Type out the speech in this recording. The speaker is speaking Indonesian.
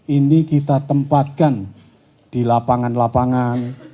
ini kita tempatkan di lapangan lapangan